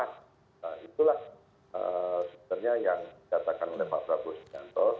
nah itulah sebenarnya yang dikatakan oleh pak prabowo subianto